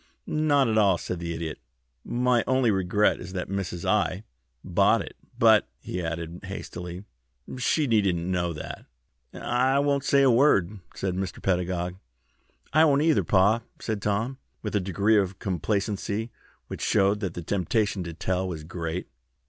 "Not at all," said the Idiot. "My only regret is that Mrs. I. bought it. But," he added, hastily, "she needn't know that." "I won't say a word," said Mr. Pedagog. "I won't, neither, pa," said Tommy, with a degree of complacency which showed that the temptation to tell was great.